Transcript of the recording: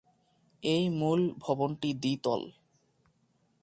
এই মূল ভবনটি দ্বি-তল।